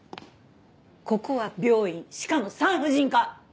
ここは病院しかも産婦人科！